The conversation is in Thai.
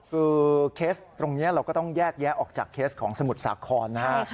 คือเคสตรงนี้เราก็ต้องแยกแยะออกจากเคสของสมุทรสาครนะครับ